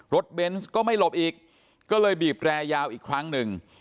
เบนส์ก็ไม่หลบอีกก็เลยบีบแรยาวอีกครั้งหนึ่ง